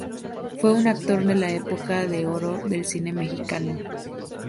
Fue un actor de la Época de Oro del Cine Mexicano.